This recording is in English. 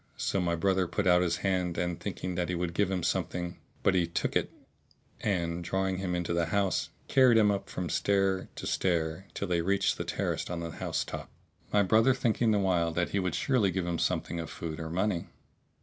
So my brother put out his hand thinking that he would give him something; but he took it and, drawing him into the house, carried him up from stair to stair till they reached the terrace on the house top, my brother thinking the while that he would surely give him something of food or money.